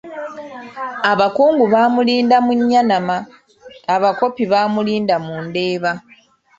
Abakungu baamulinda mu Nnyanama, Abakopi baamulinda mu Ndeeba.